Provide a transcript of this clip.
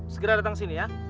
segera datang sini ya